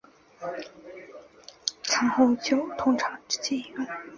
餐后酒通常直接饮用。